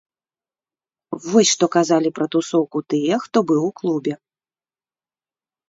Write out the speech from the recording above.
Вось, што казалі пра тусоўку тыя, хто быў у клубе.